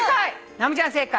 直美ちゃん正解。